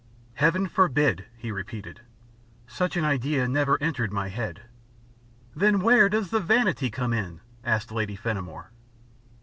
"Heaven forbid!" he repeated. "Such an idea never entered my head." "Then where does the vanity come in?" asked Lady Fenimore.